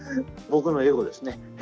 僕のエゴですね。